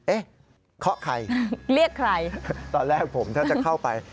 เคาะใครเรียกใครตอนแรกผมถ้าจะเข้าไป